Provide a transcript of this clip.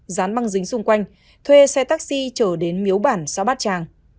dán băng dính xung quanh thuê xe taxi trở đến miếu bản xã bát tràng